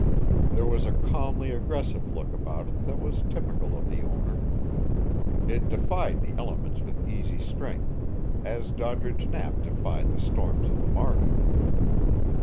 There was a calmly aggressive look about it that was typical of the owner. It defied the elements with easy strength, as Doddridge Knapp defied the storms of the market.